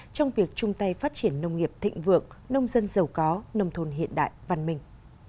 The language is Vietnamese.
trong việc chung tay phát triển nông nghiệp thịnh vượng nông dân giàu có nông thôn hiện đại văn minh